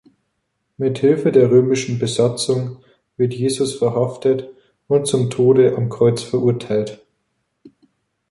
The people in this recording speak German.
Mit Hilfe der römischen Besatzung wird Jesus verhaftet und zum Tode am Kreuz verurteilt.